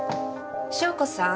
翔子さん？